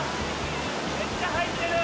めっちゃ入ってる。